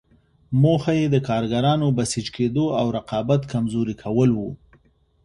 موخه یې د کارګرانو بسیج کېدو او رقابت کمزوري کول وو.